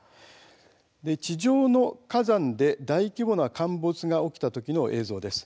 地上の火山で大規模な陥没が起きた時の映像です。